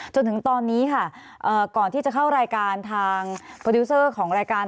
จนถึงตอนนี้ค่ะก่อนที่จะเข้ารายการทางโปรดิวเซอร์ของรายการ